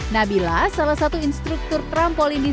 nabila salah satu instruktur trampolin yang terkenal di jawa barat